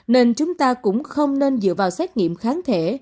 nên chúng ta cũng không nên dựa vào xét nghiệm kháng thể